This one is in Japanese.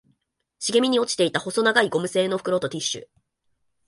茂みに落ちていた細長いゴム製の袋とティッシュ